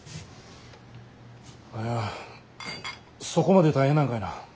そこまで大変なんかいな。